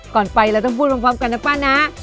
ก่อนไปเราต้องพูดพร้อมกันนะป้านะ